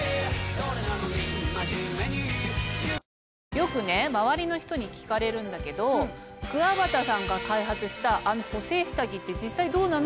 よく周りの人に聞かれるんだけど「くわばたさんが開発したあの補整下着って実際どうなの？」